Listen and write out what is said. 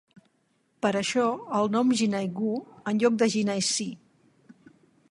Per això el nom "Jinhae-gu" enlloc de "Jinhae-si".